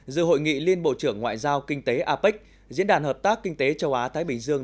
dự hội nghị liên bộ trưởng ngoại giao kinh tế apec diễn đàn hợp tác kinh tế châu á thái bình dương